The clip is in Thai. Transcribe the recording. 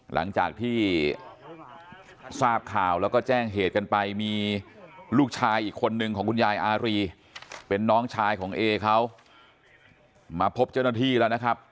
หลังจากที่ทราบข่าวแล้วก็แจ้งเหตุกันไปมีลูกชายอีกคนนึงของคุณยายอารีเป็นน้องชายของเอเขามาพบเจ้าหน้าที่แล้วนะครับ